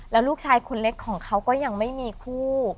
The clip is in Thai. แล้วลูกชายคนเล็กของเขาก็ยังไม่มีคู่